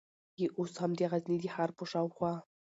یې اوس هم د غزني د ښار په شاوخوا